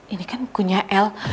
ini kan bunyinya el